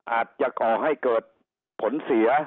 อาจจะก่อให้เกิดผลเสีย